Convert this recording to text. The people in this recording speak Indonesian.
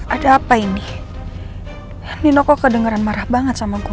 ada apa ini nino kau kedengeran marah banget sama gue